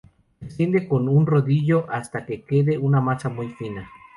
Se extiende con un rodillo hasta que quede una masa muy fina.